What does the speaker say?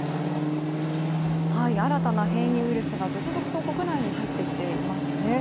新たな変異ウイルスが続々と国内に入ってきていますね。